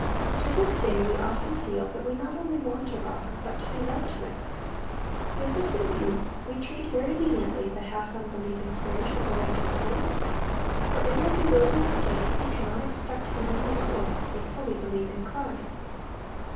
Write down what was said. To this day we often feel that we not only want a rock, but to be led to it. Witii this in view we treat very leniently the half unbelieving prayers of awakened souls ; for in their bewildered state we cannot expect from them all at once a fully believing cry.